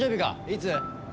いつ？